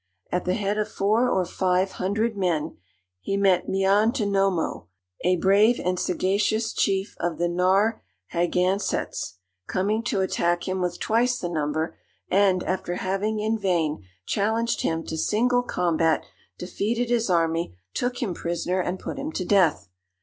At the head of four or five hundred men, he met Miantonomoh, a brave and sagacious chief of the Narrhagansetts, coming to attack him with twice the number; and, after having in vain challenged him to single combat, defeated his army, took him prisoner, and put him to death.